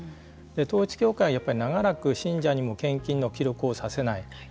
統一教会は長らく信者にも献金の記録をさせない。